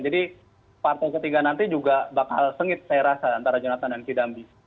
jadi partai ke tiga nanti juga bakal sengit saya rasa antara jonathan dan kidambi